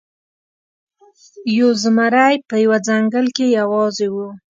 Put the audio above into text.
یو زمری په یوه ځنګل کې یوازې و.